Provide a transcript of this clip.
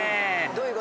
どういう子？